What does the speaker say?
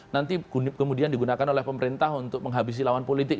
nanti kemudian digunakan oleh pemerintah untuk menghabisi lawan politik